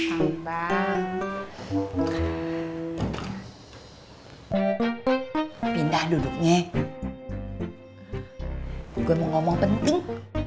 amba pindah duduknya gue mau ngomong penting